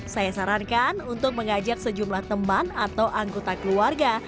saya sarankan untuk mengajak sejumlah teman atau anggota keluarga